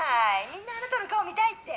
みんなあなたの顔見たいって」。